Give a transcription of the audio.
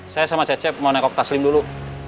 saya sama cecep mau nengkok taslim dulu